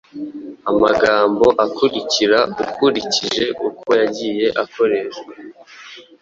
Amagambo akurikira, ukurikije uko yagiye akoreshwa